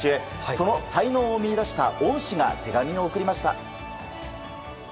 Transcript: その才能を見いだした恩師が手紙を送りました。